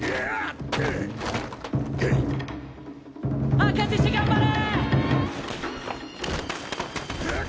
赤獅子、頑張れ！